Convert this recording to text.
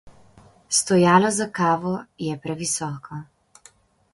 Stojalo za kavo je previsoko.